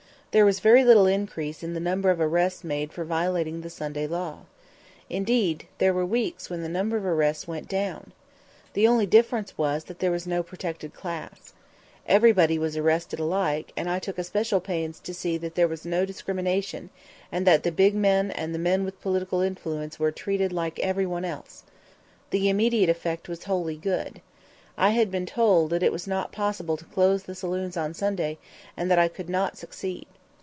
There was very little increase in the number of arrests made for violating the Sunday law. Indeed, there were weeks when the number of arrests went down. The only difference was that there was no protected class. Everybody was arrested alike, and I took especial pains to see that there was no discrimination, and that the big men and the men with political influence were treated like every one else. The immediate effect was wholly good. I had been told that it was not possible to close the saloons on Sunday and that I could not succeed.